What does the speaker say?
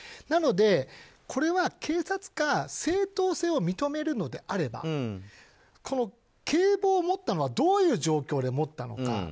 なので、これは警察が正当性を認めるのであれば警棒を持ったのはどういう状況で持ったのか。